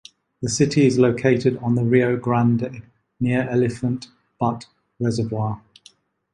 The city is located on the Rio Grande, near Elephant Butte Reservoir.